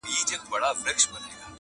له څپو څخه د امن و بېړۍ ته-